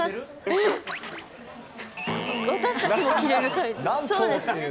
そうです。